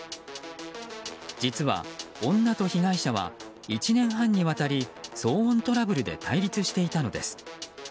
実は女と被害者は１年半にわたり騒音トラブルで対立していたのです。